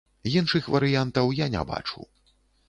Іншых варыянтаў я не бачу.